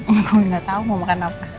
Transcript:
aku gak tau mau makan apa